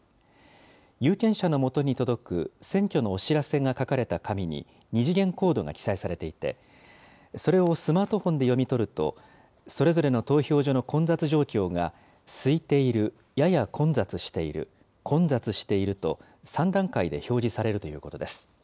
有権者の元に届く選挙のお知らせが書かれた紙に二次元コードが記載されていて、それをスマートフォンで読み取ると、それぞれの投票所の混雑状況がすいている、やや混雑している、混雑していると、３段階で表示されるということです。